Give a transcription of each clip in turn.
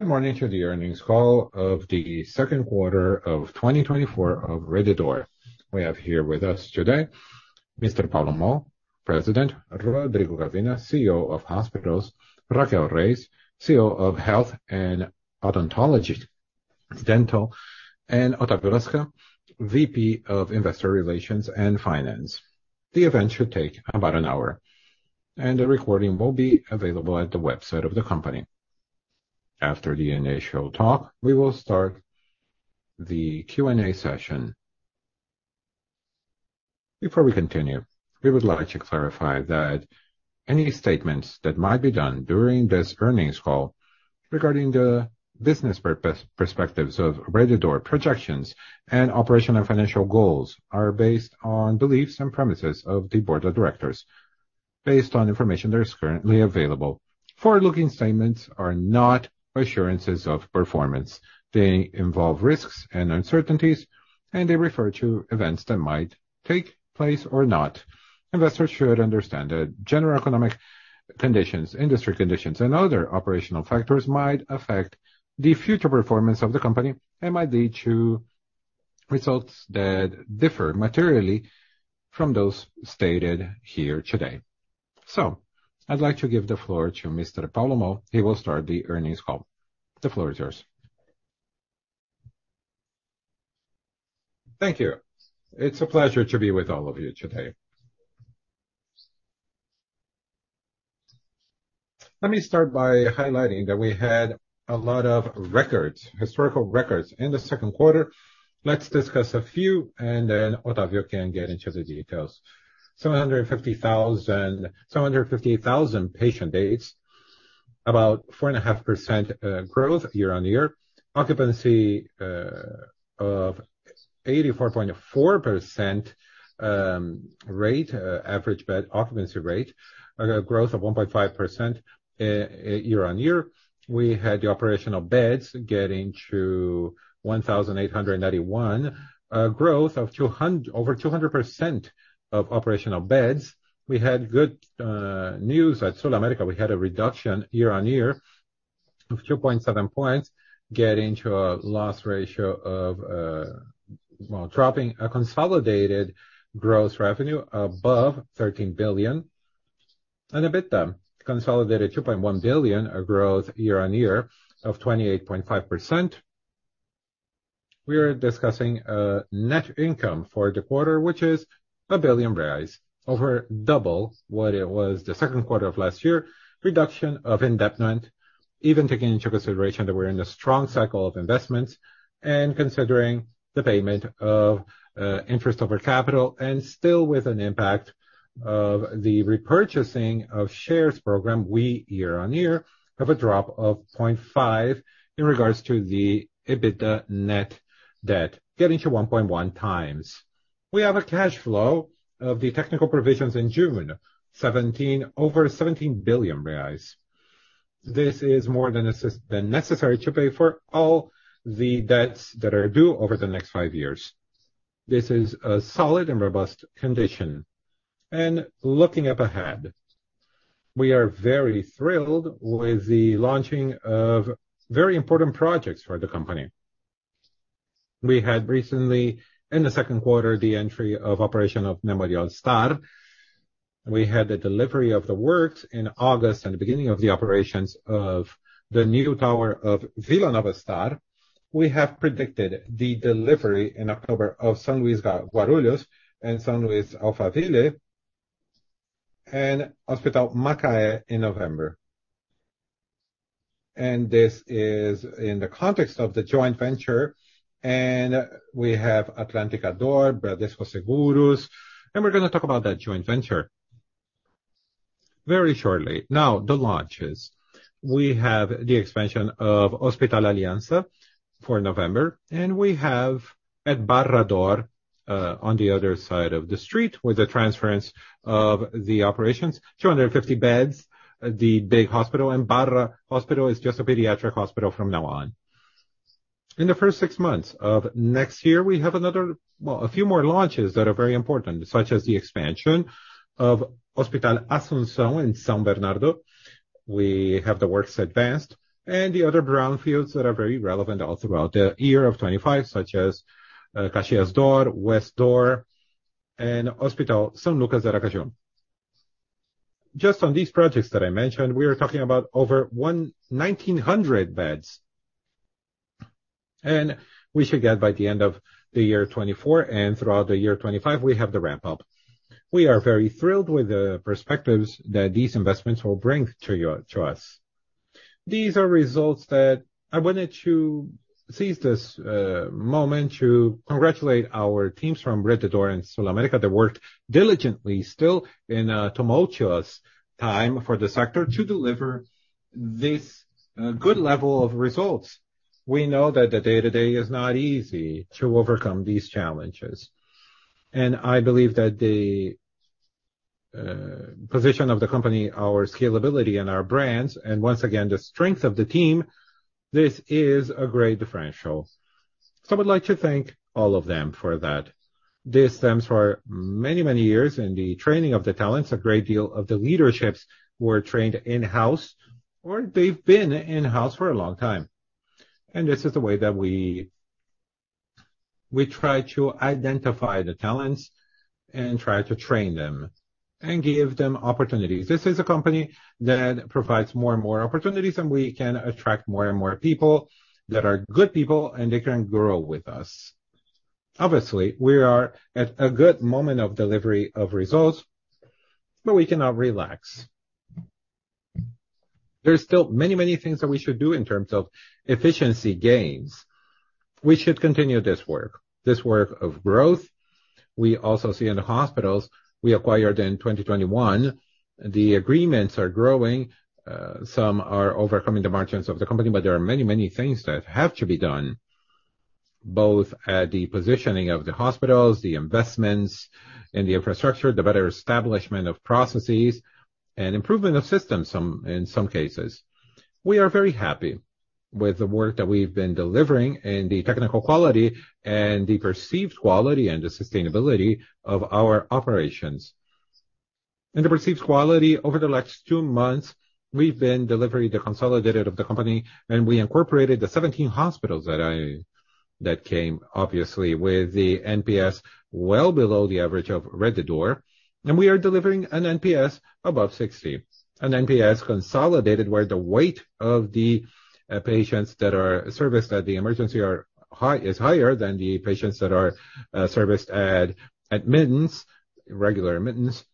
Good morning to the earnings call of the second quarter of 2024 of Rede D'Or. We have here with us today Mr. Paulo Moll, President, Rodrigo Gavina, CEO of Hospitals, Raquel Reis, CEO of Health and Odontology, Dental, and Otávio Lazcano, VP of Investor Relations and Finance. The event should take about an hour, and the recording will be available at the website of the company. After the initial talk, we will start the Q&A session. Before we continue, we would like to clarify that any statements that might be done during this earnings call regarding the business perspectives of Rede D'Or projections and operational and financial goals, are based on beliefs and premises of the board of directors, based on information that is currently available. Forward-looking statements are not assurances of performance. They involve risks and uncertainties, and they refer to events that might take place or not. Investors should understand that general economic conditions, industry conditions, and other operational factors might affect the future performance of the company and might lead to results that differ materially from those stated here today. So I'd like to give the floor to Mr. Paulo Moll. He will start the earnings call. The floor is yours. Thank you. It's a pleasure to be with all of you today. Let me start by highlighting that we had a lot of records, historical records in the second quarter. Let's discuss a few, and then Otávio can get into the details. 758,000 patient days, about 4.5% growth year-on-year. Occupancy of 84.4%, average bed occupancy rate growth of 1.5% year-on-year. We had the operational beds getting to 1,891, growth of over 200% of operational beds. We had good news at SulAmérica. We had a reduction year-on-year of 2.7 points, getting to a loss ratio of, Well, dropping a consolidated gross revenue above 13 billion. And EBITDA consolidated 2.1 billion, a growth year-on-year of 28.5%. We are discussing net income for the quarter, which is 1 billion reais, over double what it was the second quarter of last year. Reduction of indebtedness, even taking into consideration that we're in a strong cycle of investments and considering the payment of interest over capital and still with an impact of the repurchasing of shares program, we year-on-year have a drop of 0.5 in regards to the EBITDA net debt, getting to 1.1 times. We have a cash flow of the technical provisions in June over 17 billion reais. This is more than necessary to pay for all the debts that are due over the next five years. This is a solid and robust condition. Looking ahead, we are very thrilled with the launching of very important projects for the company. We had recently, in the second quarter, the entry of operation of Memorial Star. We had the delivery of the works in August and the beginning of the operations of the new tower of Vila Nova Star. We have predicted the delivery in October of São Luiz Guarulhos and São Luiz Alphaville, and Hospital Macaé in November. And this is in the context of the joint venture, and we have Atlântica D'Or, Bradesco Seguros, and we're gonna talk about that joint venture very shortly. Now, the launches. We have the expansion of Hospital Aliança for November, and we have Barra D'Or, on the other side of the street, with the transference of the operations, 250 beds, the big hospital, and Barra Hospital is just a pediatric hospital from now on. In the first six months of next year, we have another, well, a few more launches that are very important, such as the expansion of Hospital Assunção in São Bernardo. We have the works advanced and the other brownfields that are very relevant throughout the year of 2025, such as Caxias D'Or, Oeste D'Or, and Hospital São Lucas de Aracaju. Just on these projects that I mentioned, we are talking about over 1,900 beds, and we should get by the end of the year 2024, and throughout the year 2025, we have the ramp up. We are very thrilled with the perspectives that these investments will bring to you, to us. These are results that I wanted to seize this moment to congratulate our teams from Rede D'Or and SulAmérica, that worked diligently, still in a tumultuous time for the sector, to deliver this good level of results. We know that the day-to-day is not easy to overcome these challenges, and I believe that the position of the company, our scalability and our brands, and once again, the strength of the team, this is a great differential. So I would like to thank all of them for that. This stems for many, many years in the training of the talents. A great deal of the leaderships were trained in-house, or they've been in-house for a long time, and this is the way that we try to identify the talents and try to train them and give them opportunities. This is a company that provides more and more opportunities, and we can attract more and more people that are good people, and they can grow with us. Obviously, we are at a good moment of delivery of results, but we cannot relax. There's still many, many things that we should do in terms of efficiency gains. We should continue this work, this work of growth. We also see in the hospitals we acquired in 2021, the agreements are growing. Some are overcoming the margins of the company, but there are many, many things that have to be done, both at the positioning of the hospitals, the investments, and the infrastructure, the better establishment of processes, and improvement of systems, in some cases. We are very happy with the work that we've been delivering and the technical quality and the perceived quality and the sustainability of our operations. The perceived quality over the last two months, we've been delivering the consolidated of the company, and we incorporated the 17 hospitals that came, obviously, with the NPS well below the average of Rede D'Or, and we are delivering an NPS above 60. An NPS consolidated, where the weight of the patients that are serviced at the emergency are high, is higher than the patients that are serviced at admittance, regular admittance.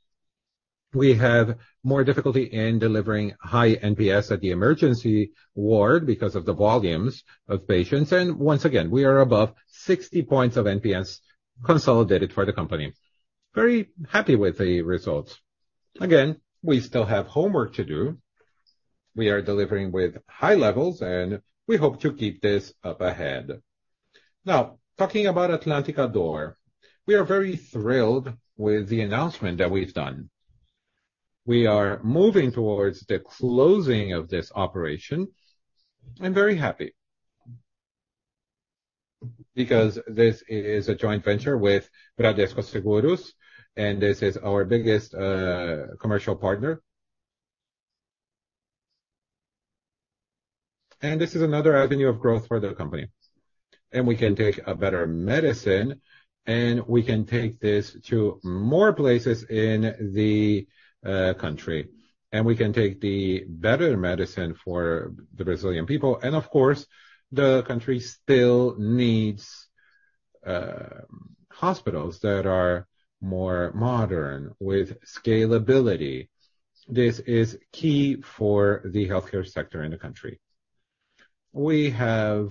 We have more difficulty in delivering high NPS at the emergency ward because of the volumes of patients, and once again, we are above 60 points of NPS consolidated for the company. Very happy with the results. Again, we still have homework to do. We are delivering with high levels, and we hope to keep this up ahead. Now, talking about Atlântica D'Or, we are very thrilled with the announcement that we've done. We are moving towards the closing of this operation. I'm very happy, because this is a joint venture with Bradesco Seguros, and this is our biggest commercial partner. This is another avenue of growth for the company, and we can take a better medicine, and we can take this to more places in the country, and we can take the better medicine for the Brazilian people. Of course, the country still needs hospitals that are more modern with scalability. This is key for the healthcare sector in the country. We are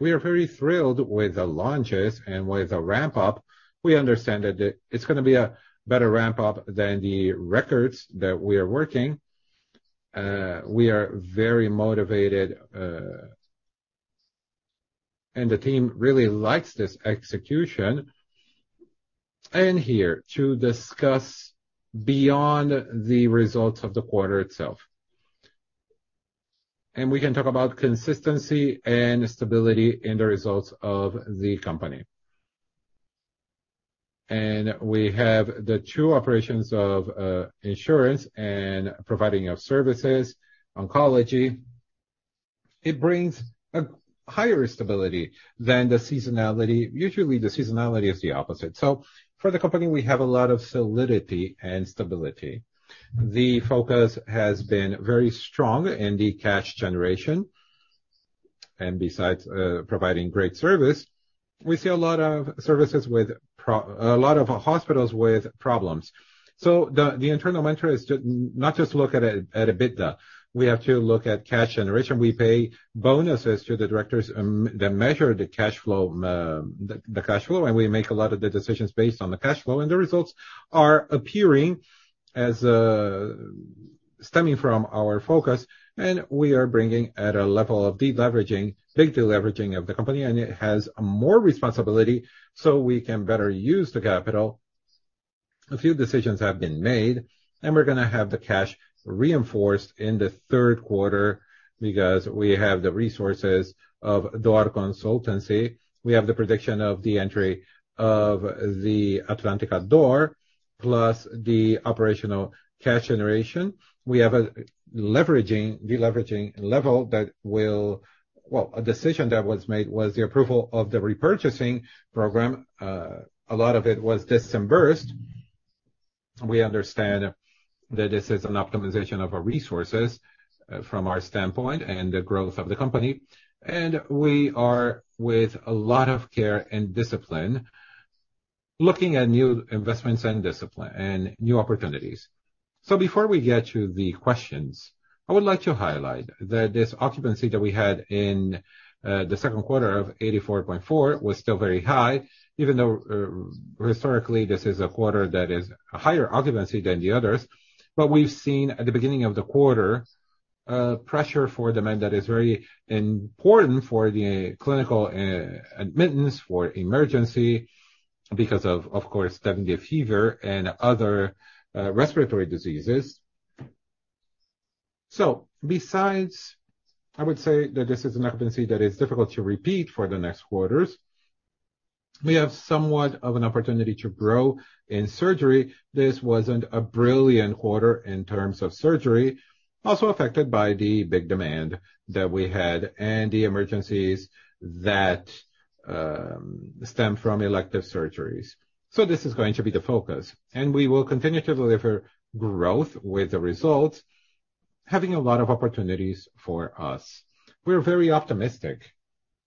very thrilled with the launches and with the ramp-up. We understand that it's gonna be a better ramp-up than the records that we are working. We are very motivated, and the team really likes this execution, and here to discuss beyond the results of the quarter itself. We can talk about consistency and stability in the results of the company. We have the two operations of insurance and providing of services, oncology. It brings a higher stability than the seasonality. Usually, the seasonality is the opposite. So for the company, we have a lot of solidity and stability. The focus has been very strong in the cash generation, and besides, providing great service, we see a lot of services with a lot of hospitals with problems. So the internal mantra is to not just look at EBITDA, we have to look at cash generation. We pay bonuses to the directors that measure the cash flow, and we make a lot of the decisions based on the cash flow, and the results are appearing as stemming from our focus, and we are bringing at a level of deleveraging, big deleveraging of the company, and it has more responsibility, so we can better use the capital. A few decisions have been made, and we're gonna have the cash reinforced in the third quarter because we have the resources of D'Or Consultoria. We have the prediction of the entry of the Atlântica D'Or, plus the operational cash generation. We have a leveraging, deleveraging level that will... Well, a decision that was made was the approval of the repurchasing program. A lot of it was disbursed. We understand that this is an optimization of our resources from our standpoint and the growth of the company, and we are, with a lot of care and discipline, looking at new investments and discipline and new opportunities. So before we get to the questions, I would like to highlight that this occupancy that we had in the second quarter of 84.4 was still very high, even though historically, this is a quarter that is a higher occupancy than the others. But we've seen at the beginning of the quarter pressure for demand that is very important for the clinical admittance, for emergency, because of, of course, dengue fever and other respiratory diseases. So besides, I would say that this is an occupancy that is difficult to repeat for the next quarters. We have somewhat of an opportunity to grow in surgery. This wasn't a brilliant quarter in terms of surgery, also affected by the big demand that we had and the emergencies that stem from elective surgeries. So this is going to be the focus, and we will continue to deliver growth with the results, having a lot of opportunities for us. We're very optimistic,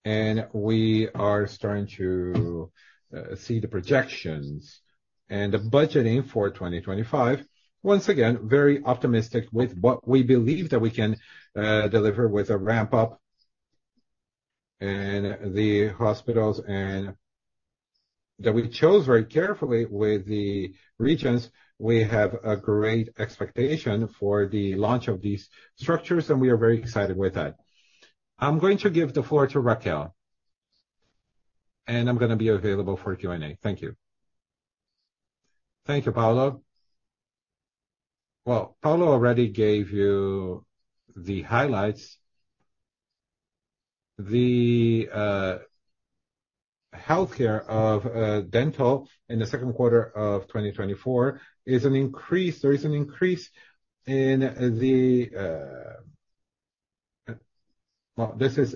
and we are starting to see the projections and the budgeting for 2025. Once again, very optimistic with what we believe that we can deliver with a ramp-up in the hospitals, and that we chose very carefully with the regions. We have a great expectation for the launch of these structures, and we are very excited with that. I'm going to give the floor to Raquel, and I'm gonna be available for Q&A. Thank you. Thank you, Paulo. Well, Paulo already gave you the highlights. The Healthcare and Dental in the second quarter of 2024 is an increase—there is an increase in the. Well, this is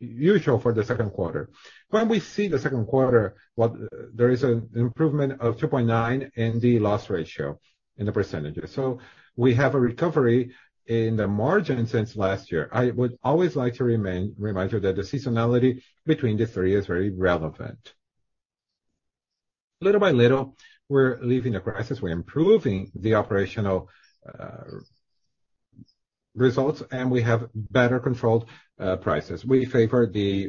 usual for the second quarter. When we see the second quarter, what—there is an improvement of 2.9% in the loss ratio, in the percentages. So we have a recovery in the margin since last year. I would always like to remind you that the seasonality between the three is very relevant. Little by little, we're leaving the crisis. We're improving the operational results, and we have better controlled prices. We favor the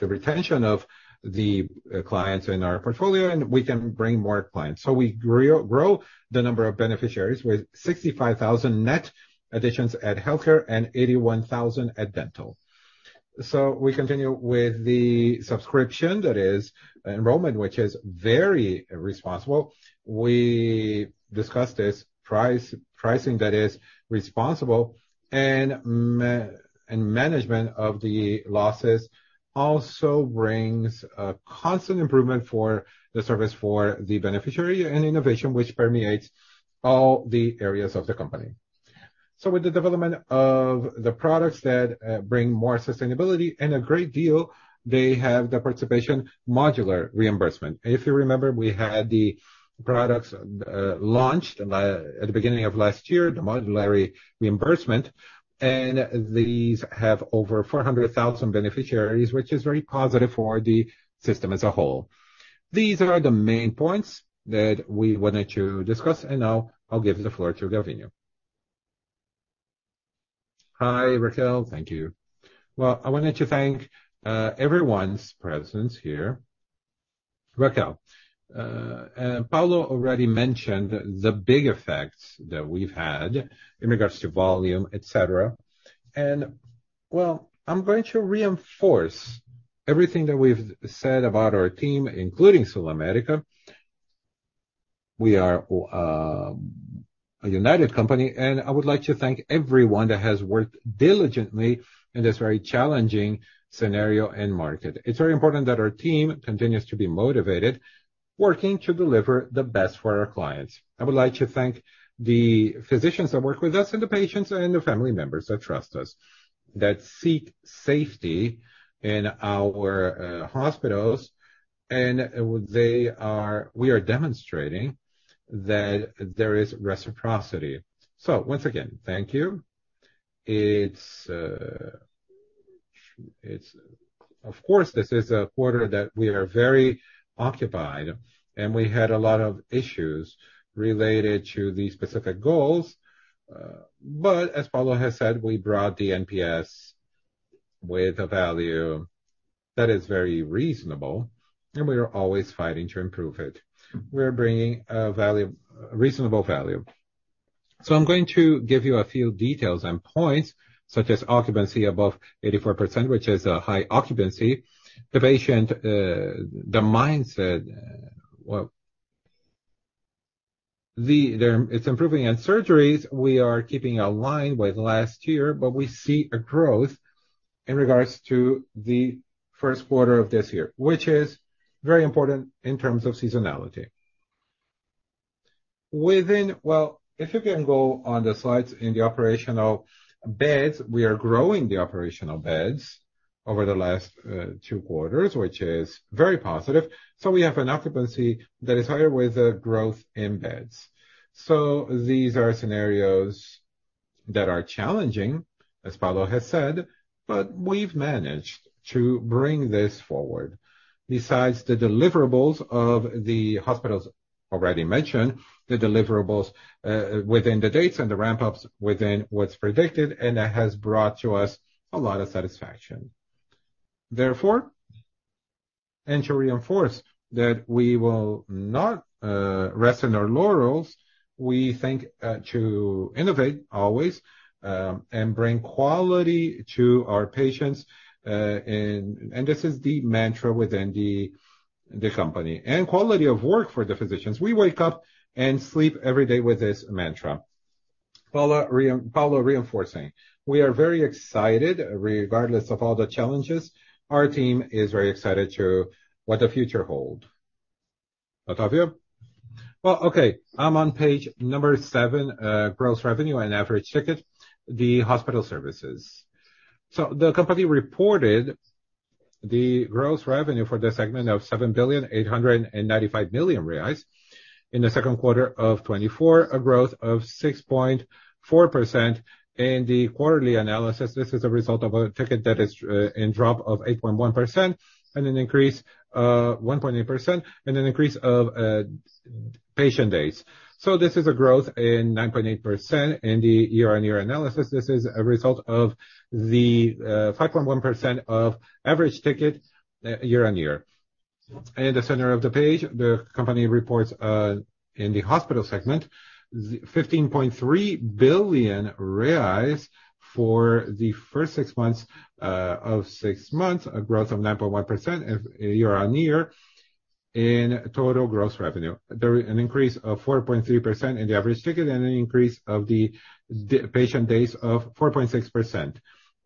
retention of the clients in our portfolio, and we can bring more clients. So we grow the number of beneficiaries with 65,000 net additions at healthcare and 81,000 at dental. So we continue with the subscription, that is enrollment, which is very responsible. We discussed this pricing that is responsible and management of the losses also brings a constant improvement for the service for the beneficiary and innovation, which permeates all the areas of the company. So with the development of the products that bring more sustainability and a great deal, they have the participation modular reimbursement. If you remember, we had the products launched at the beginning of last year, the modular reimbursement, and these have over 400,000 beneficiaries, which is very positive for the system as a whole. These are the main points that we wanted to discuss, and now I'll give the floor to Gavina. Hi, Raquel. Thank you. Well, I wanted to thank everyone's presence here. Raquel, Paulo already mentioned the big effects that we've had in regards to volume, et cetera. And well, I'm going to reinforce everything that we've said about our team, including SulAmérica. We are a united company, and I would like to thank everyone that has worked diligently in this very challenging scenario and market. It's very important that our team continues to be motivated, working to deliver the best for our clients. I would like to thank the physicians that work with us and the patients and the family members that trust us, that seek safety in our hospitals. And we are demonstrating that there is reciprocity. So once again, thank you. It's of course, this is a quarter that we are very occupied, and we had a lot of issues related to the specific goals. But as Paulo has said, we brought the NPS with a value that is very reasonable, and we are always fighting to improve it. We're bringing a value, reasonable value. So I'm going to give you a few details and points, such as occupancy above 84%, which is a high occupancy. The patient mindset, well, it's improving. In surgeries, we are keeping in line with last year, but we see a growth in regards to the first quarter of this year, which is very important in terms of seasonality. Well, if you can go on the slides in the operational beds, we are growing the operational beds over the last 2 quarters, which is very positive. So we have an occupancy that is higher with a growth in beds. So these are scenarios that are challenging, as Paulo has said, but we've managed to bring this forward. Besides the deliverables of the hospitals already mentioned, the deliverables, within the dates and the ramp-ups within what's predicted, and that has brought to us a lot of satisfaction. Therefore, and to reinforce that we will not, rest on our laurels, we think, to innovate always, and bring quality to our patients. And this is the mantra within the company, and quality of work for the physicians. We wake up and sleep every day with this mantra. Paulo reinforcing, we are very excited, regardless of all the challenges, our team is very excited to what the future hold. Otávio? Well, okay, I'm on page number 7, gross revenue and average ticket, the hospital services. So the company reported the gross revenue for the segment of 7.895 billion in the second quarter of 2024, a growth of 6.4%. In the quarterly analysis, this is a result of a ticket that is in drop of 8.1% and an increase 1.8%, and an increase of patient days. So this is a growth in 9.8% in the year-on-year analysis. This is a result of the 5.1% of average ticket year-on-year. In the center of the page, the company reports in the hospital segment 15.3 billion reais for the first six months of six months, a growth of 9.1% year-on-year in total gross revenue. There an increase of 4.3% in the average ticket and an increase of the patient days of 4.6%.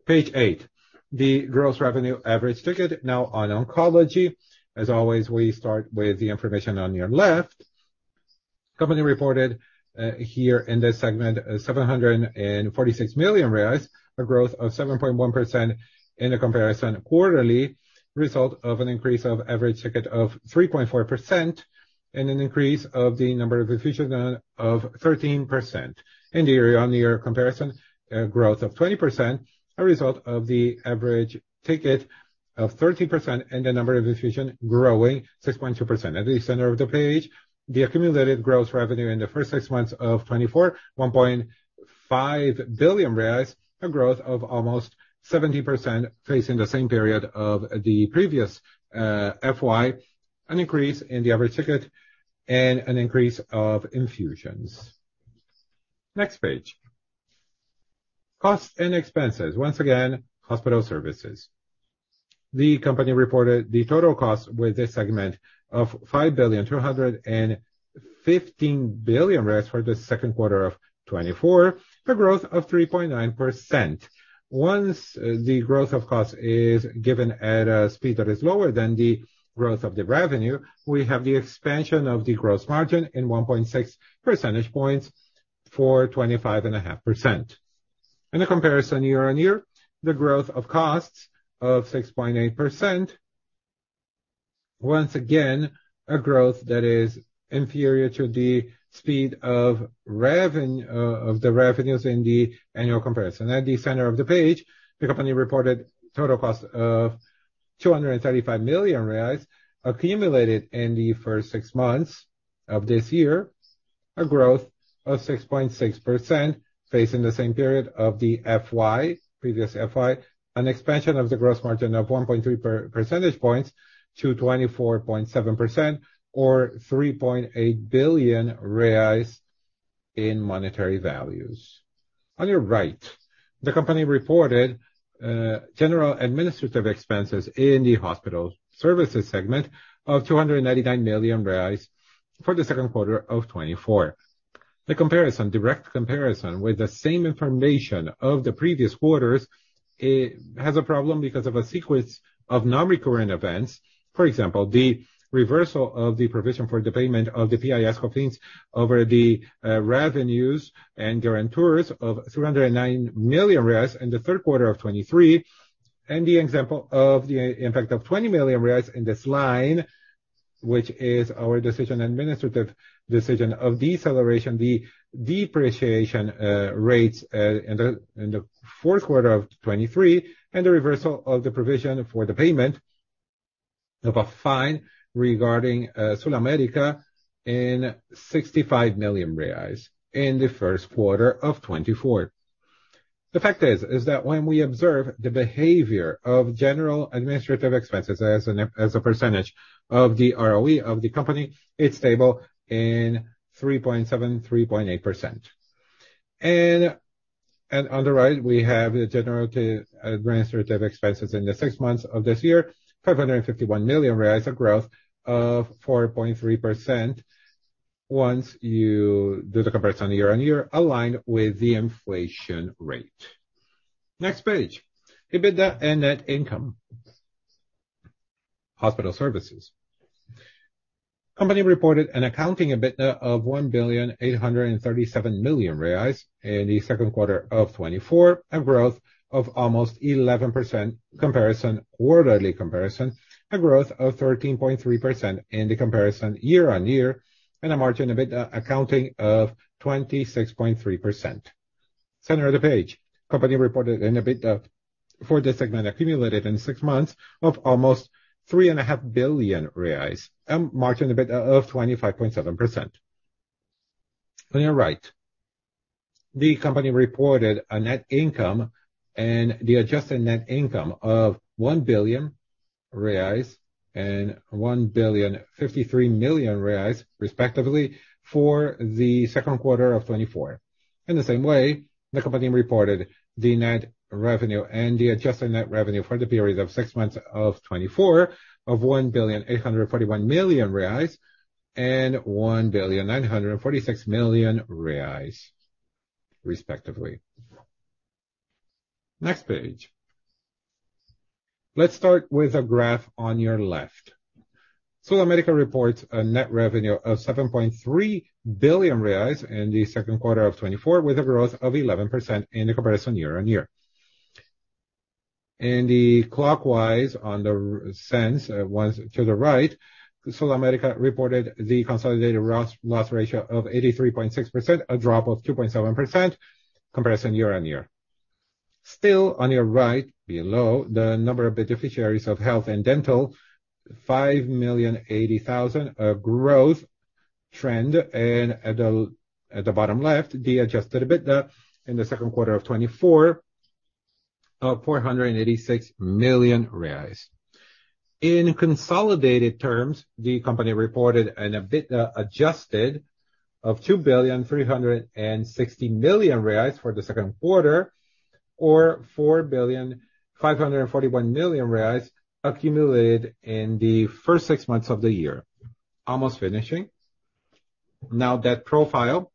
Page eight, the gross revenue average ticket now on oncology. As always, we start with the information on your left. Company reported here in this segment seven hundred and forty-six million reais, a growth of 7.1% in a comparison quarterly, result of an increase of average ticket of 3.4% and an increase of the number of infusion done of 13%. In the year-on-year comparison, growth of 20%, a result of the average ticket of 13%, and the number of infusion growing 6.2%. At the center of the page, the accumulated gross revenue in the first six months of 2024, 1.5 billion reais, a growth of almost 70% facing the same period of the previous FY, an increase in the average ticket and an increase of infusions. Next page, costs and expenses. Once again, hospital services. The company reported the total cost with this segment of 5.215 billion for the second quarter of 2024, a growth of 3.9%. Once the growth of cost is given at a speed that is lower than the growth of the revenue, we have the expansion of the gross margin in 1.6 percentage points for 25.5%. In the comparison year-on-year, the growth of costs of 6.8%. Once again, a growth that is inferior to the speed of revenues in the annual comparison. At the center of the page, the company reported total cost of 235 million reais, accumulated in the first six months of this year, a growth of 6.6%, facing the same period of the previous FY, an expansion of the gross margin of 1.3 percentage points to 24.7% or 3.8 billion reais in monetary values. On your right, the company reported general administrative expenses in the hospital services segment of 299 million reais for the second quarter of 2024. The direct comparison with the same information of the previous quarters, it has a problem because of a sequence of non-recurrent events. For example, the reversal of the provision for the payment of the PIS/Cofins over the revenues and guarantees of 309 million reais in the third quarter of 2023, and the example of the impact of 20 million reais in this line, which is our decision, administrative decision of deceleration, the depreciation rates in the fourth quarter of 2023, and the reversal of the provision for the payment of a fine regarding SulAmérica in 65 million reais in the first quarter of 2024. The fact is that when we observe the behavior of general administrative expenses as a percentage of the ROB of the company, it's stable in 3.7%-3.8%. On the right, we have the general administrative expenses in the six months of this year, 551 million reais, a growth of 4.3% once you do the year-over-year comparison, aligned with the inflation rate. Next page, EBITDA and net income. Hospital services. Company reported an accounting EBITDA of 1,837 million reais in the second quarter of 2024, a growth of almost 11% comparison, quarterly comparison, a growth of 13.3% in the comparison year-over-year, and a margin EBITDA accounting of 26.3%. Center of the page, company reported an EBITDA for this segment accumulated in six months of almost 3.5 billion reais, margin EBITDA of 25.7%. On your right, the company reported a net income and the adjusted net income of 1 billion reais and 1.053 billion, respectively, for the second quarter of 2024. In the same way, the company reported the net revenue and the adjusted net revenue for the period of six months of 2024, of 1.841 billion and 1.946 billion, respectively. Next page. Let's start with a graph on your left. SulAmérica reports a net revenue of 7.3 billion reais in the second quarter of 2024, with a growth of 11% in the comparison year-on-year. And then clockwise, on the screen, one to the right, SulAmérica reported the consolidated loss ratio of 83.6%, a drop of 2.7% comparison year-on-year. Still on your right, below, the number of beneficiaries of health and dental, 5,080,000, a growth trend, and at the bottom left, the adjusted EBITDA in the second quarter of 2024, 486 million reais. In consolidated terms, the company reported an EBITDA adjusted of 2.36 billion for the second quarter, or 4.541 billion accumulated in the first six months of the year. Almost finishing. Now, debt profile.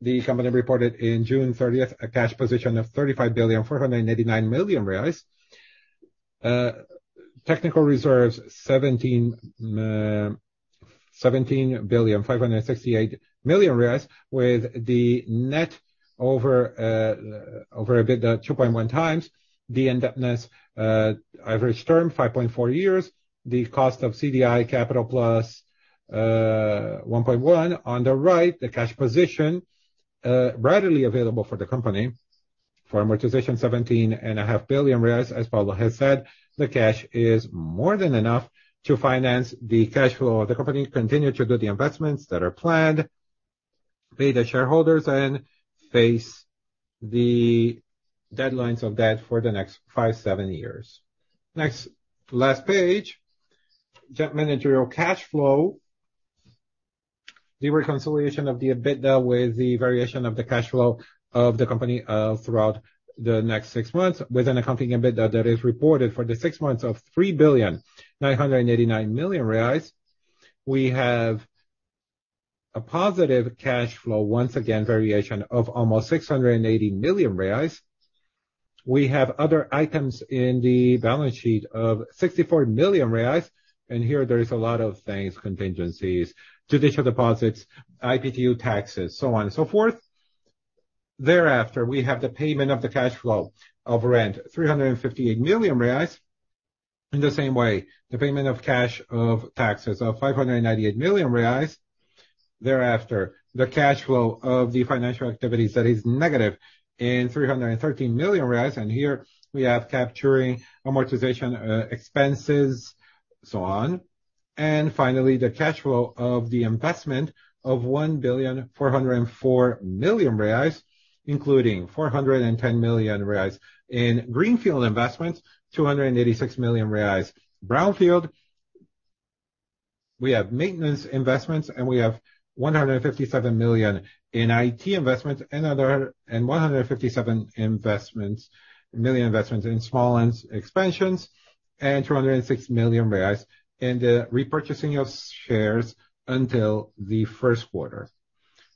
The company reported in June 30, a cash position of 35.489 billion. Technical reserves, 17.568 billion reais, with the net over EBITDA 2.1x, the indebtedness average term 5.4 years, the cost of CDI capital +1.1. On the right, the cash position, readily available for the company. For amortization, 17.5 billion reais. As Paulo has said, the cash is more than enough to finance the cash flow. The company continue to do the investments that are planned, pay the shareholders and face the deadlines of debt for the next 5, 7 years. Next, last page. Net managerial cash flow. The reconciliation of the EBITDA with the variation of the cash flow of the company, throughout the next 6 months, with an accompanying EBITDA that is reported for the 6 months of 3.989 billion. We have a positive cash flow, once again, variation of almost 680 million reais. We have other items in the balance sheet of 64 million reais, and here there is a lot of things, contingencies, judicial deposits, IPTU taxes, so on and so forth. Thereafter, we have the payment of the cash flow of rent, 358 million reais. In the same way, the payment of cash of taxes of 598 million reais. Thereafter, the cash flow of the financial activities that is negative in 313 million reais, and here we have capturing amortization, expenses, so on. And finally, the cash flow of the investment of 1.404 billion, including 410 million reais in greenfield investments, 286 million reais, brownfield. We have maintenance investments, and we have 157 million in IT investments, and one hundred and fifty-seven million investments in small and expansions, and 206 million reais in the repurchasing of shares until the first quarter.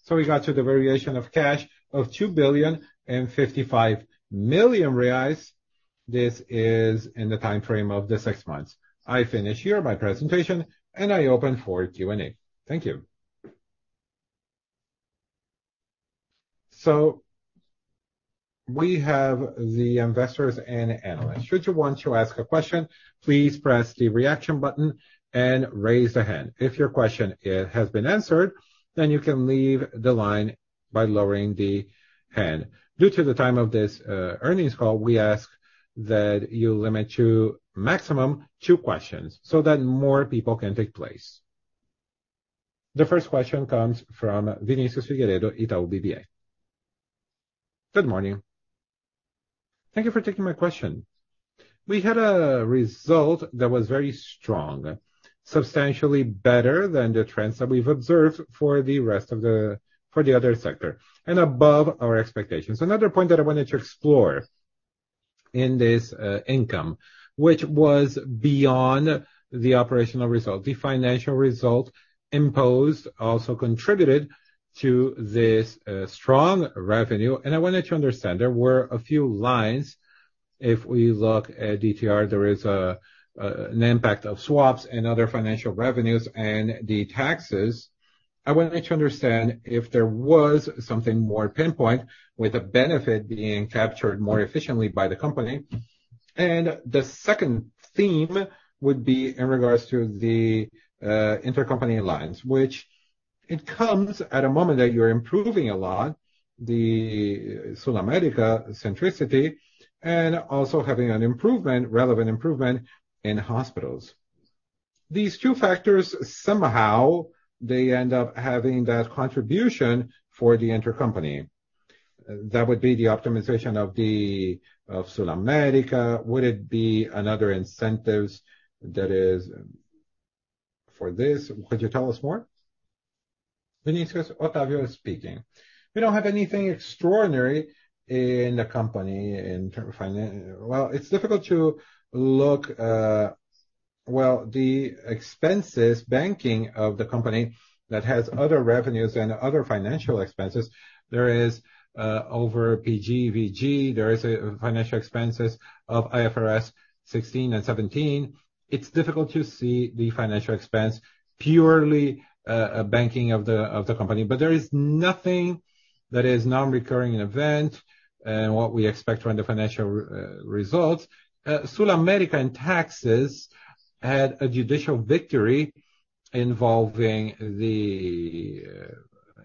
So we got to the variation of cash of 2,055 million reais. This is in the time frame of the six months. I finish here my presentation, and I open for Q&A. Thank you. So we have the investors and analysts. Should you want to ask a question, please press the reaction button and raise the hand. If your question has been answered, then you can leave the line by lowering the hand. Due to the time of this earnings call, we ask that you limit to maximum 2 questions, so that more people can take place. The first question comes from Vinicius Figueiredo, Itaú BBA. Good morning. Thank you for taking my question. We had a result that was very strong, substantially better than the trends that we've observed for the other sector, and above our expectations. Another point that I wanted to explore in this income, which was beyond the operational result, the financial result imposed also contributed to this strong revenue. And I wanted to understand, there were a few lines. If we look at ETR, there is an impact of swaps and other financial revenues and the taxes. I wanted to understand if there was something more pinpoint, with a benefit being captured more efficiently by the company. And the second theme would be in regards to the intercompany lines, which it comes at a moment that you're improving a lot, the SulAmérica centricity, and also having an improvement, relevant improvement in hospitals. These two factors, somehow, they end up having that contribution for the intercompany. That would be the optimization of the, of SulAmérica. Would it be another incentives for this, could you tell us more? Vinicius, Otávio speaking. We don't have anything extraordinary in the company in term of financial. Well, it's difficult to look. Well, the expenses banking of the company that has other revenues and other financial expenses, there is over PG, VG, there is a financial expenses of IFRS 16 and 17. It's difficult to see the financial expense, purely banking of the, of the company. There is nothing that is non-recurring event and what we expect from the financial result. SulAmérica in taxes had a judicial victory involving the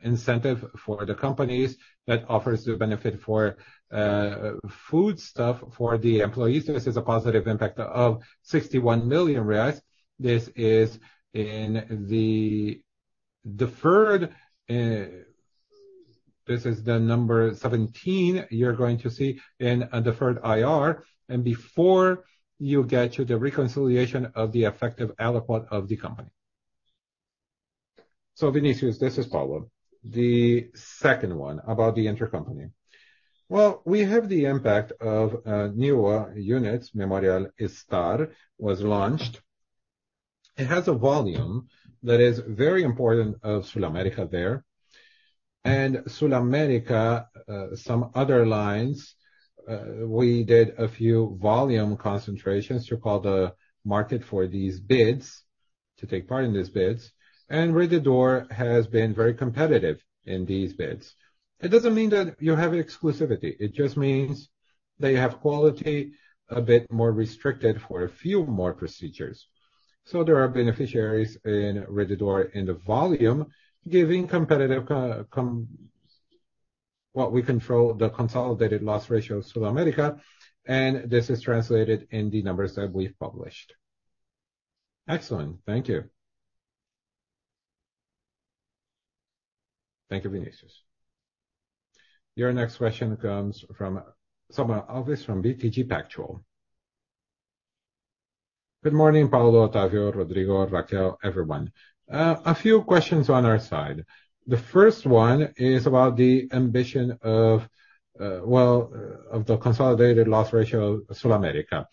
incentive for the companies that offers the benefit for food stuff for the employees. This is a positive impact of 61 million reais. This is in the deferred, this is the number 17 you're going to see in a deferred IR, and before you get to the reconciliation of the effective tax rate of the company. So Vinicius, this is Paulo. The second one, about the intercompany. Well, we have the impact of newer units, Memorial Star was launched. It has a volume that is very important of SulAmérica there. SulAmérica, some other lines, we did a few volume concentrations to call the market for these bids, to take part in these bids, and Rede D'Or has been very competitive in these bids. It doesn't mean that you have exclusivity, it just means they have quality, a bit more restricted for a few more procedures. So there are beneficiaries in Rede D'Or in the volume, giving competitive what we control, the consolidated loss ratio of SulAmérica, and this is translated in the numbers that we've published. Excellent. Thank you. Thank you, Vinicius. Your next question comes from Samuel Alves from BTG Pactual. Good morning, Paulo, Otávio, Rodrigo, Raquel, everyone. A few questions on our side. The first one is about the ambition of, well, of the consolidated loss ratio, SulAmérica.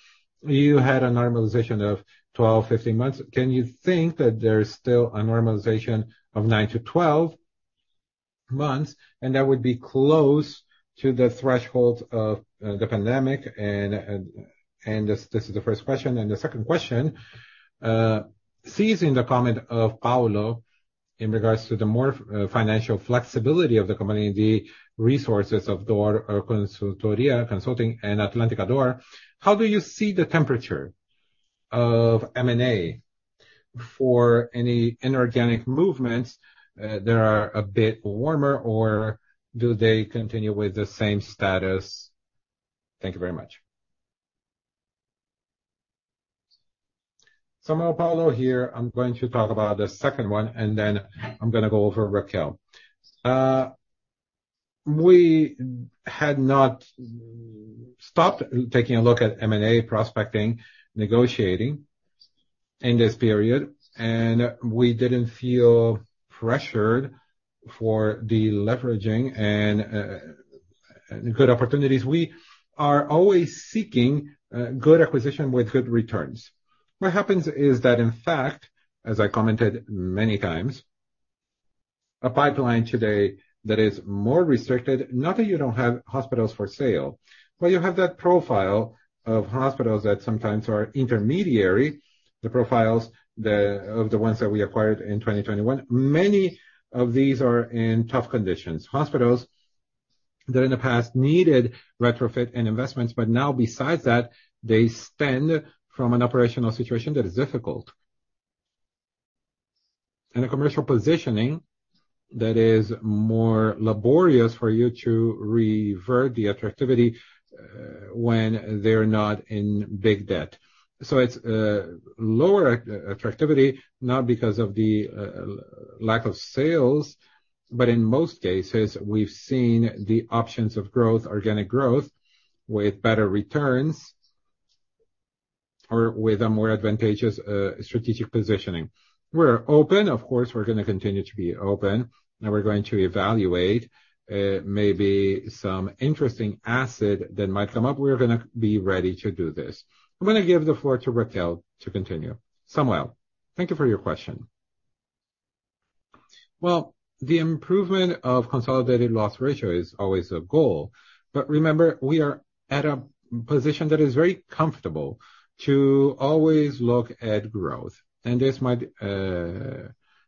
You had a normalization of 12-15 months. Can you think that there is still a normalization of 9-12 months, and that would be close to the threshold of the pandemic? This is the first question. The second question, using the comment of Paulo in regards to the more financial flexibility of the company, the resources of D'Or Consultoria, consulting and Atlântica D'Or, how do you see the temperature of M&A for any inorganic movements? They are a bit warmer, or do they continue with the same status? Thank you very much. Samuel, Paulo here. I'm going to talk about the second one, and then I'm gonna go over Raquel. We had not stopped taking a look at M&A prospecting, negotiating in this period, and we didn't feel pressured for the leveraging and good opportunities. We are always seeking good acquisition with good returns. What happens is that, in fact, as I commented many times, a pipeline today that is more restricted, not that you don't have hospitals for sale, but you have that profile of hospitals that sometimes are intermediary profiles of the ones that we acquired in 2021. Many of these are in tough conditions. Hospitals that in the past needed retrofit and investments, but now besides that, they stand from an operational situation that is difficult. And a commercial positioning that is more laborious for you to revert the attractivity, when they're not in big debt. So it's lower attractivity, not because of the lack of sales, but in most cases, we've seen the options of growth, organic growth, with better returns or with a more advantageous strategic positioning. We're open. Of course, we're gonna continue to be open, and we're going to evaluate, maybe some interesting asset that might come up. We're gonna be ready to do this. I'm gonna give the floor to Raquel to continue. Samuel, thank you for your question. Well, the improvement of consolidated loss ratio is always a goal. But remember, we are at a position that is very comfortable to always look at growth, and this might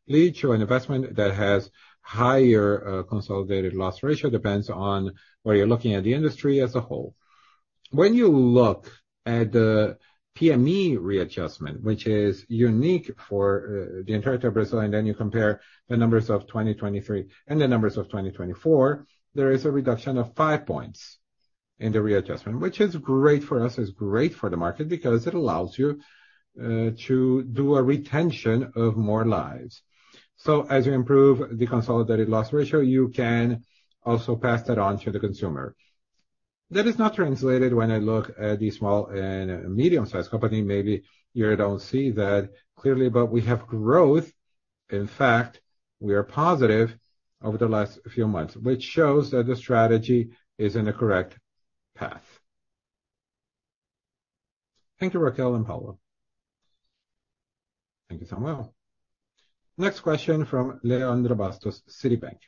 lead to an investment that has higher consolidated loss ratio, depends on whether you're looking at the industry as a whole. When you look at the PME readjustment, which is unique for the entirety of Brazil, and then you compare the numbers of 2023 and the numbers of 2024, there is a reduction of 5 points in the readjustment. Which is great for us, it's great for the market, because it allows you to do a retention of more lives. So as you improve the consolidated loss ratio, you can also pass that on to the consumer. That is not translated when I look at the small and medium-sized company. Maybe you don't see that clearly, but we have growth. In fact, we are positive over the last few months, which shows that the strategy is in a correct path. Thank you, Raquel and Paulo. Thank you so much. Next question from Leandro Bastos, Citibank.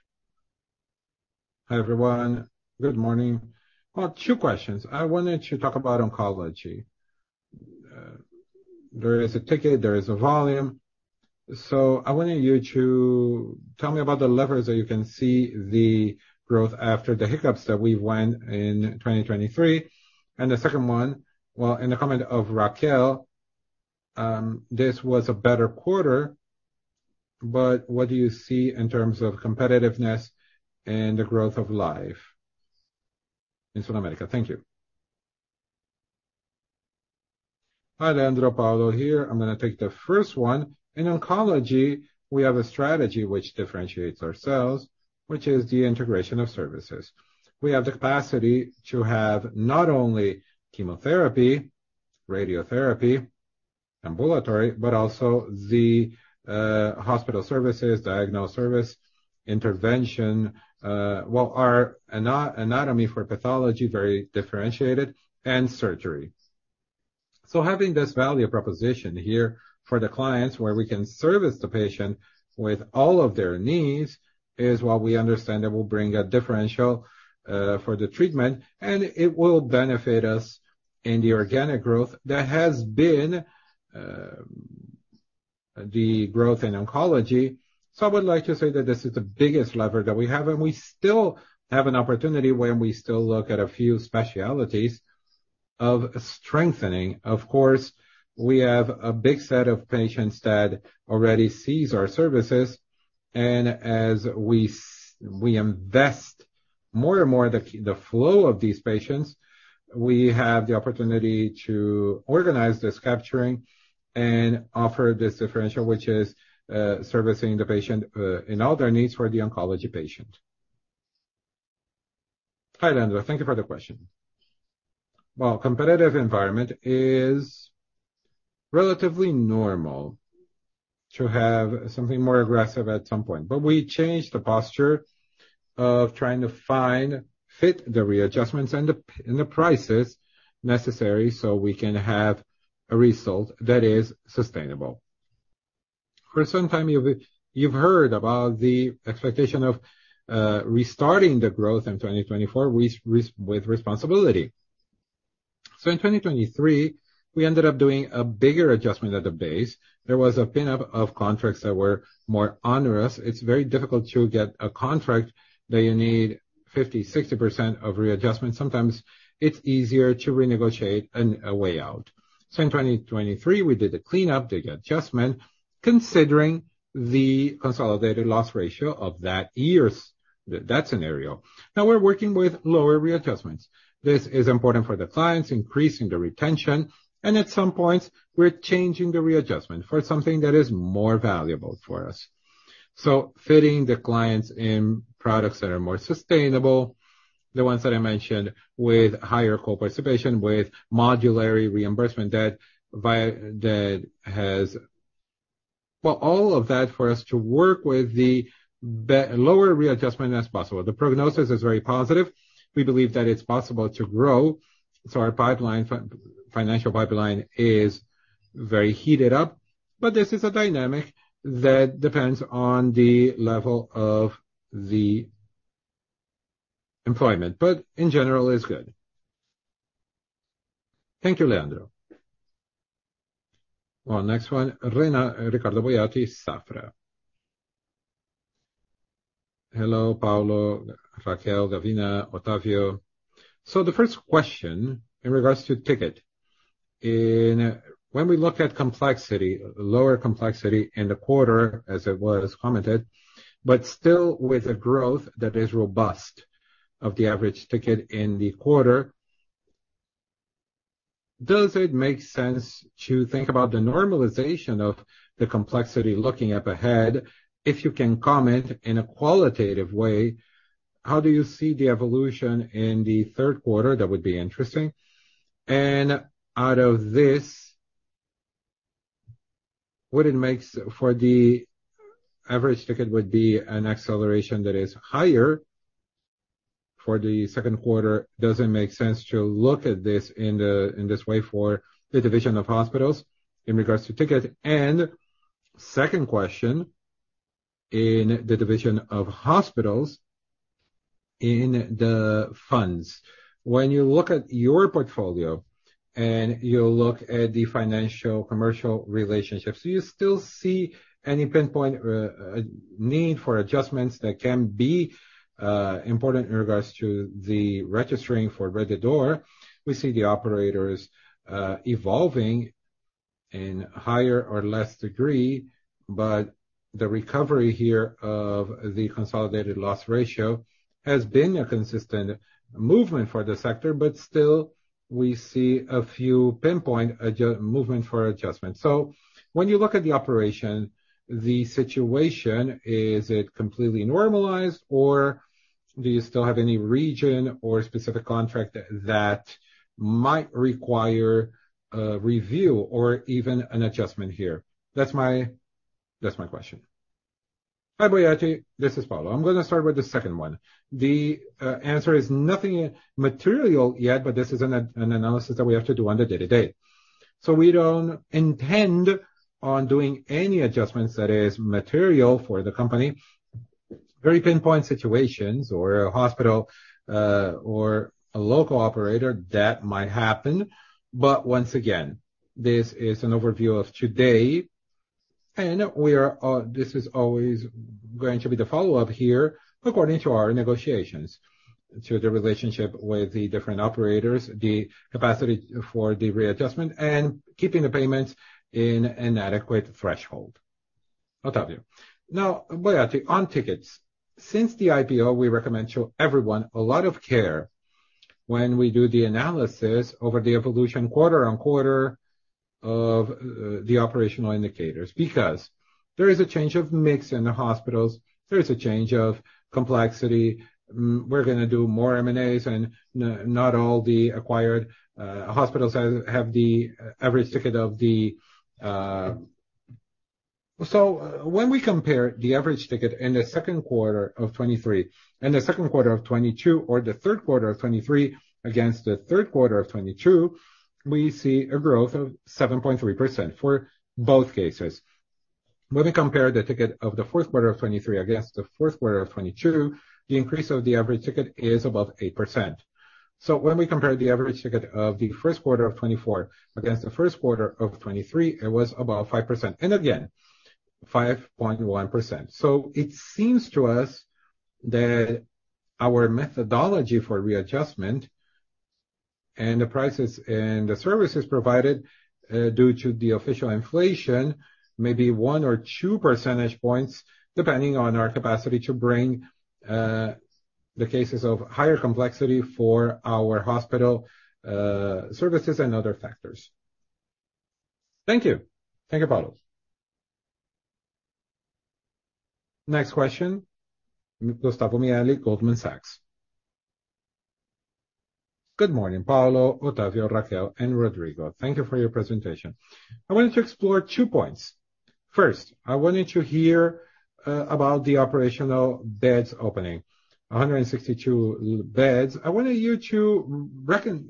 Hi, everyone. Good morning. Well, two questions. I wanted to talk about oncology. There is a ticket, there is a volume, so I wanted you to tell me about the levers that you can see the growth after the hiccups that we went in 2023. And the second one, well, in the comment of Raquel, this was a better quarter, but what do you see in terms of competitiveness and the growth of SulAmérica? Thank you. Hi, Leandro. Paulo here. I'm gonna take the first one. In oncology, we have a strategy which differentiates ourselves, which is the integration of services. We have the capacity to have not only chemotherapy, radiotherapy, ambulatory, but also the hospital services, diagnostic service, intervention, well, our anatomical pathology, very differentiated, and surgery. So having this value proposition here for the clients, where we can service the patient with all of their needs, is what we understand that will bring a differential for the treatment, and it will benefit us in the organic growth that has been the growth in oncology. So I would like to say that this is the biggest lever that we have, and we still have an opportunity when we still look at a few specialties of strengthening. Of course, we have a big set of patients that already sees our services, and as we invest more and more the flow of these patients, we have the opportunity to organize this capturing and offer this differential, which is servicing the patient in all their needs for the oncology patient. Hi, Leandro. Thank you for the question. Well, competitive environment is relatively normal to have something more aggressive at some point, but we changed the posture of trying to find fit the readjustments and the prices necessary so we can have a result that is sustainable. For some time, you've heard about the expectation of restarting the growth in 2024 with responsibility. So in 2023, we ended up doing a bigger adjustment at the base. There was a build-up of contracts that were more onerous. It's very difficult to get a contract that you need 50%-60% readjustment. Sometimes it's easier to renegotiate a way out. So in 2023, we did a cleanup, the adjustment, considering the consolidated loss ratio of that year's scenario. Now we're working with lower readjustments. This is important for the clients, increasing the retention, and at some points, we're changing the readjustment for something that is more valuable for us. So fitting the clients in products that are more sustainable, the ones that I mentioned, with higher co-participation, with modularity reimbursement, that has, well, all of that for us to work with the lower readjustment as possible. The prognosis is very positive. We believe that it's possible to grow, so our financial pipeline is very heated up. But this is a dynamic that depends on the level of the employment, but in general, it's good. Thank you, Leandro. Well, next one, Ricardo Boiati, Safra. Hello, Paulo, Raquel, Gavina, Otávio. So the first question in regards to ticket. When we look at complexity, lower complexity in the quarter, as it was commented, but still with a growth that is robust of the average ticket in the quarter, does it make sense to think about the normalization of the complexity looking up ahead? If you can comment in a qualitative way, how do you see the evolution in the third quarter? That would be interesting. And out of this, what it makes for the average ticket would be an acceleration that is higher for the second quarter. Does it make sense to look at this in this way for the division of hospitals in regards to ticket? Second question, in the division of hospitals, in the funds, when you look at your portfolio and you look at the financial commercial relationships, do you still see any pinpoint need for adjustments that can be important in regards to the registering for Rede D'Or? We see the operators evolving in higher or less degree, but the recovery here of the consolidated loss ratio has been a consistent movement for the sector, but still we see a few pinpoint adjustments. So when you look at the operation, the situation, is it completely normalized, or do you still have any region or specific contract that might require review or even an adjustment here? That's my question. Hi, Boiati, this is Paulo. I'm gonna start with the second one. The answer is nothing material yet, but this is an analysis that we have to do on the day-to-day. So we don't intend on doing any adjustments that is material for the company. Very pinpoint situations or a hospital or a local operator, that might happen. But once again, this is an overview of today, and we are, this is always going to be the follow-up here according to our negotiations, to the relationship with the different operators, the capacity for the readjustment, and keeping the payments in an adequate threshold. Otávio. Now, Boiati, on tickets, since the IPO, we recommend to everyone a lot of care when we do the analysis over the evolution quarter-over-quarter of the operational indicators, because there is a change of mix in the hospitals, there is a change of complexity. We're gonna do more M&As, and not all the acquired hospitals have the average ticket of the. So when we compare the average ticket in the second quarter of 2023 and the second quarter of 2022, or the third quarter of 2023 against the third quarter of 2022, we see a growth of 7.3% for both cases. When we compare the ticket of the fourth quarter of 2023 against the fourth quarter of 2022, the increase of the average ticket is above 8%. So when we compare the average ticket of the first quarter of 2024 against the first quarter of 2023, it was about 5%, and again, 5.1%. So it seems to us that our methodology for readjustment and the prices and the services provided, due to the official inflation, may be one or two percentage points, depending on our capacity to bring the cases of higher complexity for our hospital services and other factors. Thank you. Thank you, Paulo. Next question, Gustavo Meneghelli, Goldman Sachs. Good morning, Paulo, Otávio, Raquel, and Rodrigo. Thank you for your presentation. I wanted to explore two points. First, I wanted to hear about the operational beds opening, 162 beds. I wanted you to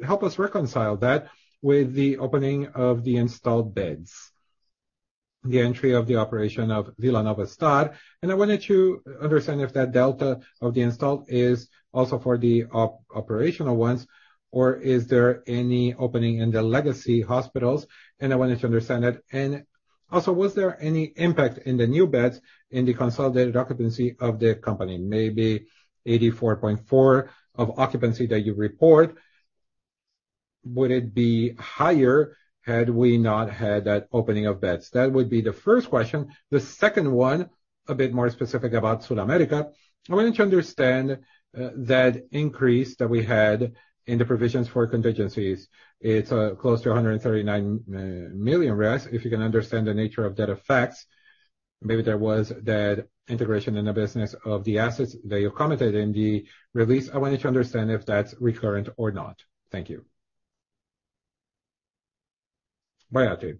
help us reconcile that with the opening of the installed beds, the entry of the operation of Vila Nova Star. I wanted to understand if that delta of the installed is also for the operational ones, or is there any opening in the legacy hospitals, and I wanted to understand that. Also, was there any impact in the new beds in the consolidated occupancy of the company? Maybe 84.4% occupancy that you report, would it be higher had we not had that opening of beds? That would be the first question. The second one, a bit more specific about SulAmérica. I wanted to understand that increase that we had in the provisions for contingencies. It's close to 139 million. If you can understand the nature of that effect, maybe there was that integration in the business of the assets that you commented in the release. I wanted to understand if that's recurrent or not. Thank you. Boiati.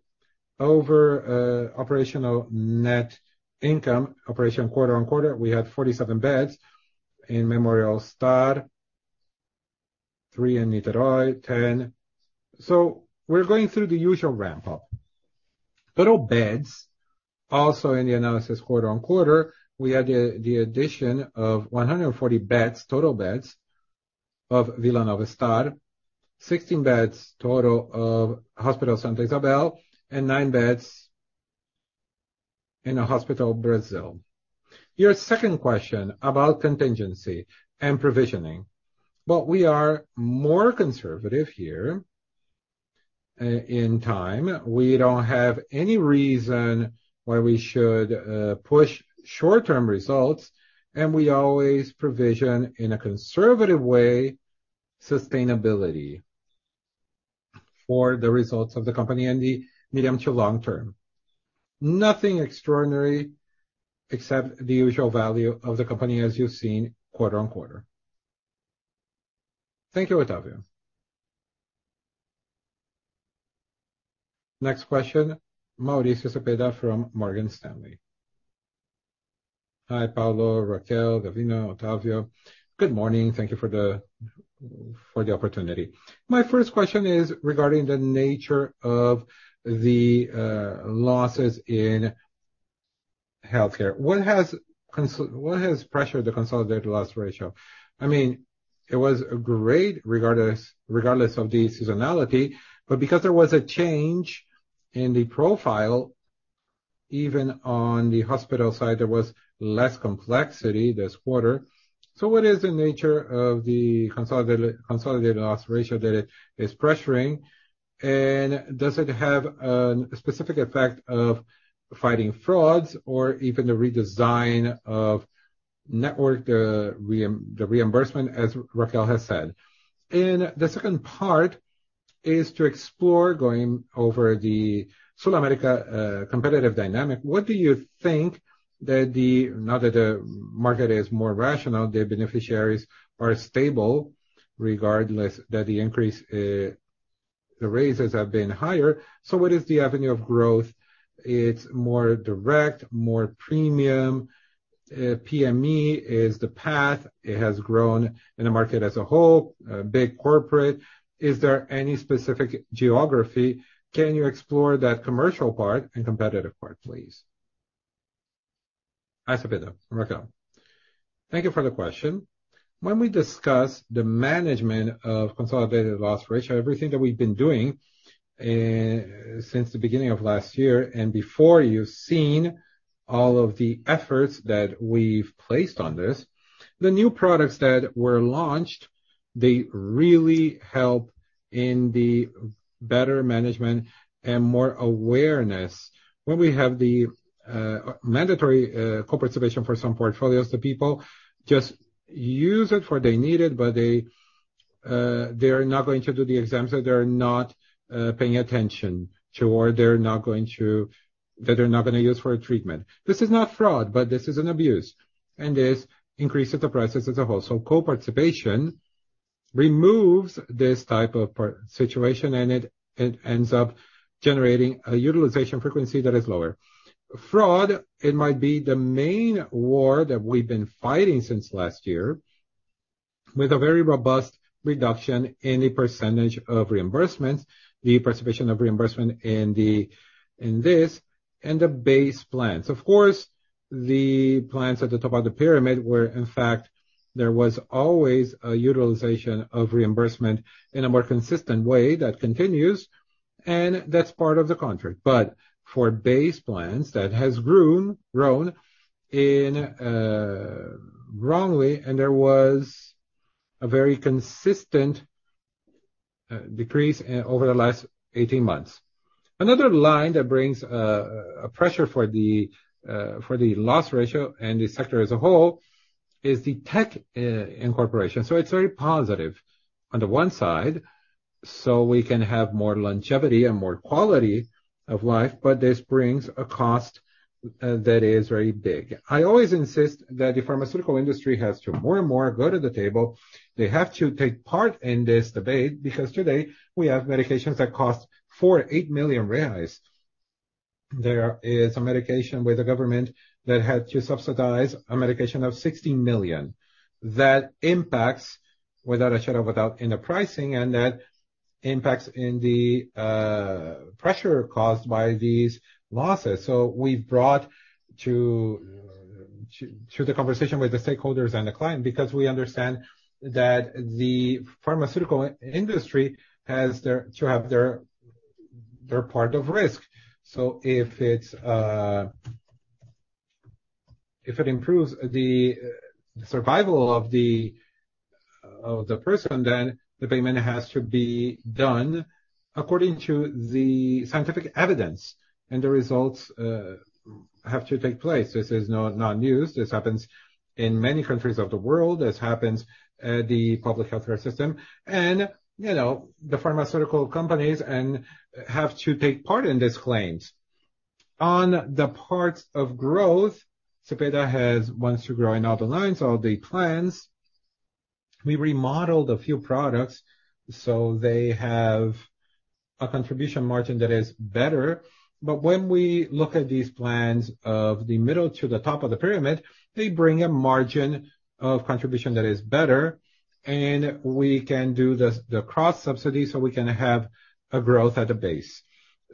Over operational net income, operational quarter-over-quarter, we had 47 beds in Memorial Star, 3 in Niterói, 10. So we're going through the usual ramp up. Total beds, also in the analysis quarter-over-quarter, we had the addition of 140 beds, total beds of Vila Nova Star, 16 beds, total of Hospital Santa Isabel, and 9 beds in the Hospital Brasil. Your second question about contingency and provisioning. Well, we are more conservative here in time. We don't have any reason why we should push short-term results, and we always provision, in a conservative way, sustainability for the results of the company in the medium to long term. Nothing extraordinary, except the usual value of the company as you've seen quarter-over-quarter. Thank you, Otávio. Next question, Maurício Cepeda from Morgan Stanley. Hi, Paulo, Raquel, Gavina, Otávio. Good morning. Thank you for the opportunity. My first question is regarding the nature of the losses in healthcare. What has pressured the consolidated loss ratio? I mean, it was great, regardless, regardless of the seasonality, but because there was a change in the profile, even on the hospital side, there was less complexity this quarter. So what is the nature of the consolidated, consolidated loss ratio that it is pressuring? And does it have a specific effect of fighting frauds or even the redesign of network, the reimbursement, as Raquel has said. And the second part is to explore going over the SulAmérica competitive dynamic. What do you think that now that the market is more rational, the beneficiaries are stable, regardless that the increase, the raises have been higher. So what is the avenue of growth? It's more direct, more premium, PME is the path, it has grown in the market as a whole, big corporate. Is there any specific geography? Can you explore that commercial part and competitive part, please? Rafael, Raquel. Thank you for the question. When we discuss the management of consolidated loss ratio, everything that we've been doing, since the beginning of last year and before, you've seen all of the efforts that we've placed on this. The new products that were launched, they really help in the better management and more awareness. When we have the, mandatory, corporate solution for some portfolios, the people just use it for they need it, but they, they are not going to do the exams, or they are not, paying attention to, or they're not going to... That they're not gonna use for a treatment. This is not fraud, but this is an abuse, and this increases the process as a whole. So co-participation removes this type of particular situation, and it ends up generating a utilization frequency that is lower. Fraud, it might be the main war that we've been fighting since last year, with a very robust reduction in the percentage of reimbursements, the participation of reimbursement in this, and the base plans. Of course, the plans at the top of the pyramid were, in fact, there was always a utilization of reimbursement in a more consistent way that continues, and that's part of the contract. But for base plans, that has grown in a wrong way, and there was a very consistent decrease in over the last 18 months. Another line that brings a pressure for the loss ratio and the sector as a whole is the tech incorporation. So it's very positive on the one side, so we can have more longevity and more quality of life, but this brings a cost that is very big. I always insist that the pharmaceutical industry has to more and more go to the table. They have to take part in this debate, because today we have medications that cost 4 million-8 million reais. There is a medication with the government that had to subsidize a medication of 16 million. That impacts, without a shadow of a doubt, in the pricing, and that impacts in the pressure caused by these losses. So we've brought to the conversation with the stakeholders and the client, because we understand that the pharmaceutical industry has to have their part of risk. So if it improves the survival of the person, then the payment has to be done according to the scientific evidence, and the results have to take place. This is not news. This happens in many countries of the world. This happens at the public healthcare system, and, you know, the pharmaceutical companies and have to take part in these claims. On the parts of growth, Cepeda wants to grow in all the lines, all the plans. We remodeled a few products, so they have a contribution margin that is better. But when we look at these plans of the middle to the top of the pyramid, they bring a margin of contribution that is better, and we can do the cross subsidy, so we can have a growth at the base.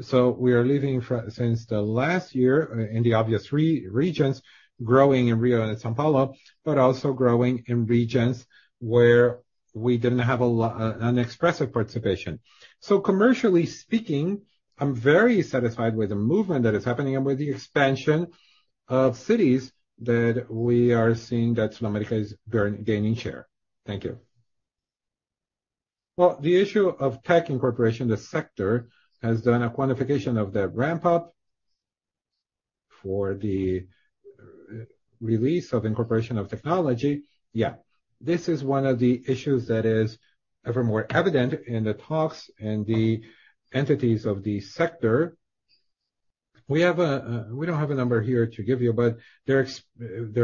So we are leaving since the last year in the obvious regions, growing in Rio and São Paulo, but also growing in regions where we didn't have an expressive participation. So commercially speaking, I'm very satisfied with the movement that is happening and with the expansion of cities that we are seeing that SulAmérica is gaining share. Thank you. Well, the issue of tech incorporation, the sector, has done a quantification of the ramp up for the release of incorporation of technology. Yeah. This is one of the issues that is ever more evident in the talks and the entities of the sector. We don't have a number here to give you, but they're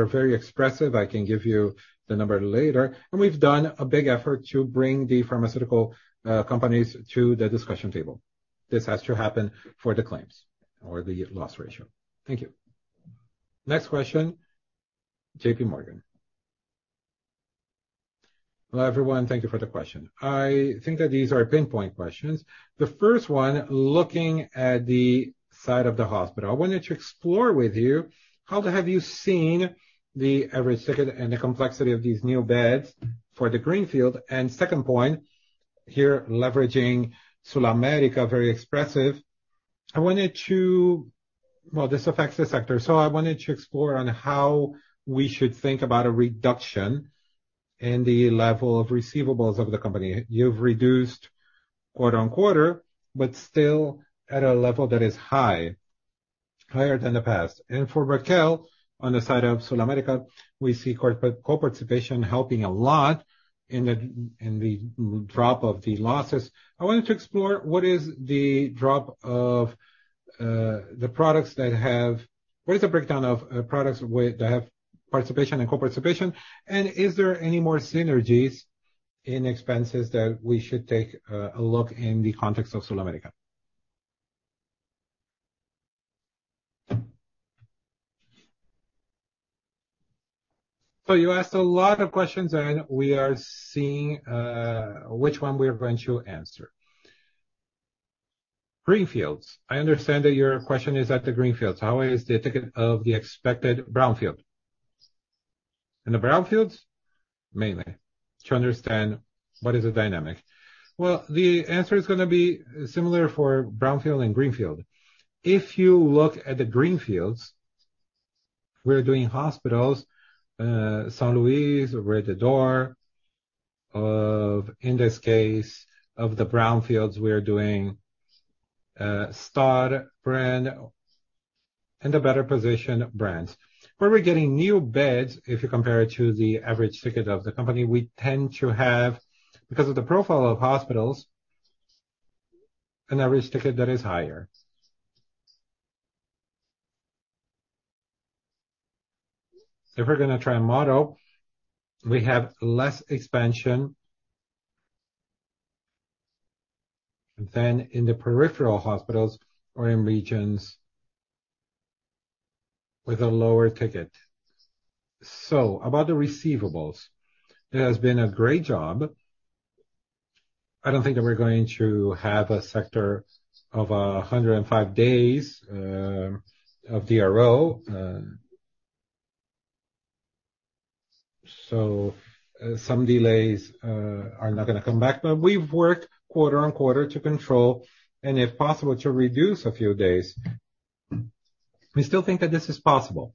very expressive. I can give you the number later. And we've done a big effort to bring the pharmaceutical companies to the discussion table. This has to happen for the claims or the loss ratio. Thank you. Next question, JPMorgan. Hello, everyone. Thank you for the question. I think that these are pinpoint questions. The first one, looking at the side of the hospital, I wanted to explore with you, how have you seen the average ticket and the complexity of these new beds for the Greenfield? And second point, here, leveraging SulAmérica, very expressive. I wanted to. Well, this affects the sector, so I wanted to explore on how we should think about a reduction and the level of receivables of the company. You've reduced quarter-over-quarter, but still at a level that is high, higher than the past. And for Raquel, on the side of SulAmérica, we see core, co-participation helping a lot in the drop of the losses. I wanted to explore what is the drop of the products that have—What is the breakdown of products with that have participation and co-participation? And is there any more synergies in expenses that we should take a look in the context of SulAmérica? So you asked a lot of questions, and we are seeing which one we are going to answer. Greenfields. I understand that your question is at the greenfields. How is the ticket of the expected brownfield? In the brownfields, mainly to understand what is the dynamic. Well, the answer is gonna be similar for brownfield and greenfield. If you look at the greenfields, we're doing hospitals, São Luiz, Rede D'Or. In this case, of the brownfields, we are doing Star brand and a better position brands, where we're getting new beds, if you compare it to the average ticket of the company, we tend to have, because of the profile of hospitals, an average ticket that is higher. If we're gonna try a model, we have less expansion than in the peripheral hospitals or in regions with a lower ticket. So about the receivables, it has been a great job. I don't think that we're going to have a sector of 105 days of DSO. So some delays are not gonna come back. But we've worked quarter-over-quarter to control and, if possible, to reduce a few days. We still think that this is possible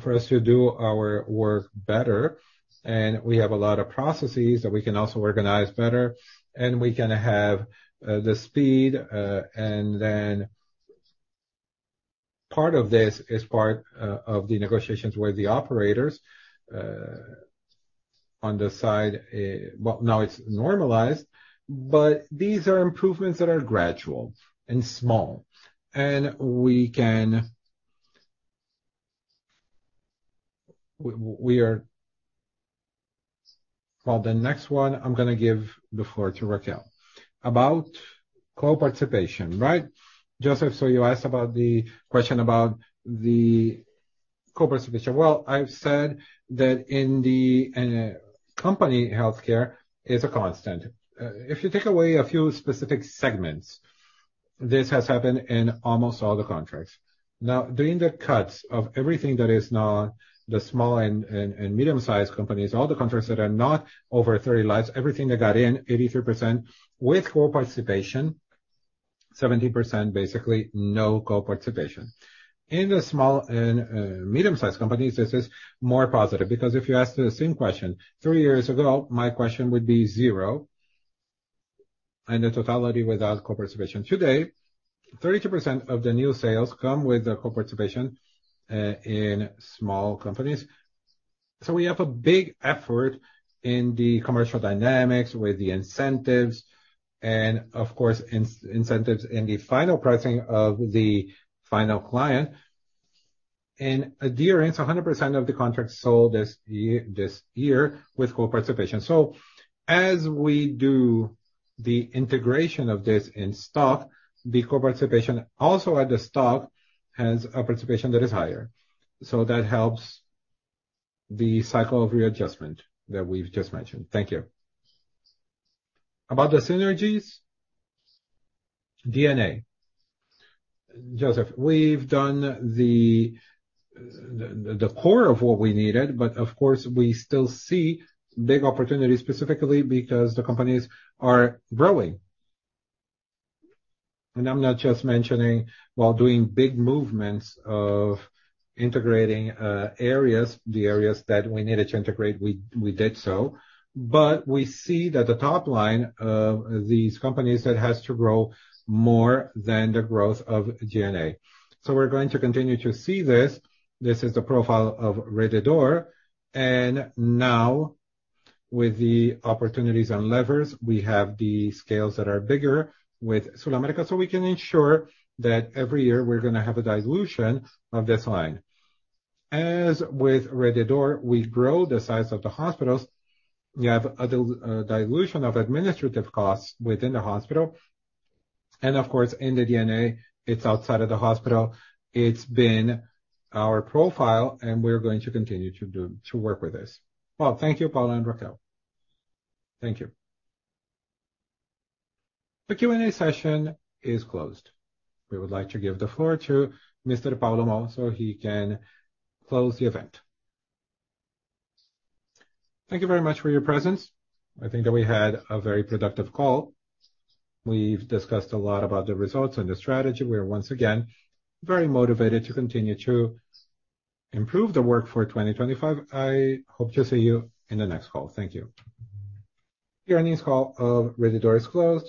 for us to do our work better, and we have a lot of processes that we can also organize better, and we can have the speed. And then part of this is part of the negotiations with the operators on the side. Well, now it's normalized, but these are improvements that are gradual and small, and we can... Well, the next one I'm gonna give the floor to Raquel. About co-participation, right, Joseph, so you asked about the question about the co-participation. Well, I've said that in the company, healthcare is a constant. If you take away a few specific segments, this has happened in almost all the contracts. Now, doing the cuts of everything that is not the small and medium-sized companies, all the contracts that are not over 30 lives, everything that got in, 83% with co-participation, 17%, basically, no co-participation. In the small and medium-sized companies, this is more positive, because if you asked the same question three years ago, my question would be 0, and the totality without co-participation. Today, 32% of the new sales come with the co-participation in small companies. So we have a big effort in the commercial dynamics with the incentives and, of course, incentives in the final pricing of the final client. And adherence, 100% of the contracts sold this year, this year with co-participation. So as we do the integration of this in stock, the co-participation also at the stock has a participation that is higher, so that helps the cycle of readjustment that we've just mentioned. Thank you. About the synergies, G&A. Joseph, we've done the core of what we needed, but of course, we still see big opportunities, specifically because the companies are growing. And I'm not just mentioning while doing big movements of integrating areas, the areas that we needed to integrate, we did so. But we see that the top line of these companies that has to grow more than the growth of G&A. So we're going to continue to see this. This is the profile of Rede D'Or. And now, with the opportunities and levers, we have the scales that are bigger with SulAmérica, so we can ensure that every year we're gonna have a dilution of this line. As with Rede D'Or, we grow the size of the hospitals, we have a dilution of administrative costs within the hospital, and of course, in the G&A, it's outside of the hospital. It's been our profile, and we're going to continue to do, to work with this. Well, thank you, Paulo and Raquel. Thank you. The Q&A session is closed. We would like to give the floor to Mr. Paulo Moll, so he can close the event. Thank you very much for your presence. I think that we had a very productive call. We've discussed a lot about the results and the strategy. We are once again very motivated to continue to improve the work for 2025. I hope to see you in the next call. Thank you. The earnings call of Rede D'Or is closed.